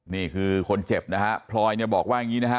นี่คือคนเจ็บนะฮะพลอยเนี่ยบอกว่าอย่างนี้นะฮะ